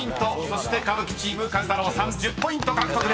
［そして歌舞伎チーム壱太郎さん１０ポイント獲得です］